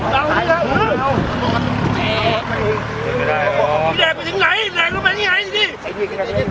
สวัสดีครับคุณผู้ชาย